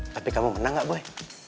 tapi kamu menang gak boleh